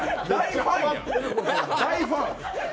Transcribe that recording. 大ファン！